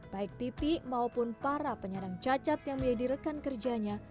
baik titi maupun para penyandang cacat yang menjadi rekan kerjanya